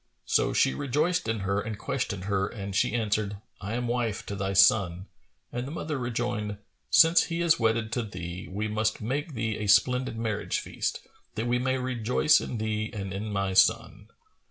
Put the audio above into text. So she rejoiced in her and questioned her; and she answered, "I am wife to thy son;" and the mother rejoined, "Since he is wedded to thee we must make thee a splendid marriage feast, that we may rejoice in thee and in my son."